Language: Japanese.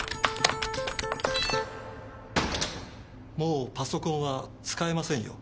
・もうパソコンは使えませんよ。